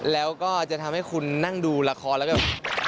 แล้วก็จะทำให้คุณนั่งดูละครแล้วก็